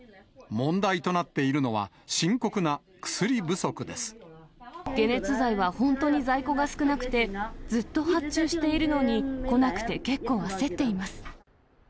問題となっているのは、解熱剤は本当に在庫が少なくて、ずっと発注しているのに、来なくて、結構焦っています。